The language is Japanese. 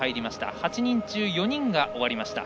８人中４人が終わりました。